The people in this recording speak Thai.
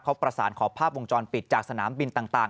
เขาประสานขอภาพวงจรปิดจากสนามบินต่าง